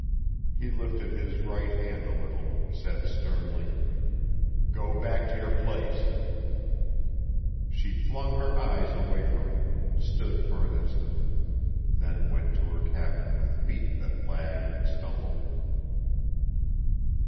He lifted his right hand a little, said sternly: "Go back to your place." She flung her eyes away from him, stood for an instant, then went to her cabin with feet that lagged and stumbled.